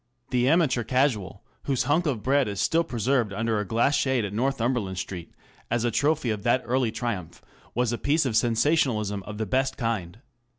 The " Amateur Casual/' whose hunk of bread is still preserved under a glass shade at Northumberland Street as a trophy of that early triumph, was a piece of sensationalism of the best kind.